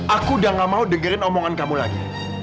aku udah gak mau dengerin omongan kamu lagi